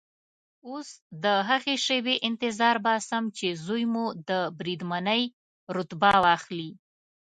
اوس د هغې شېبې انتظار باسم چې زوی مو د بریدمنۍ رتبه واخلي.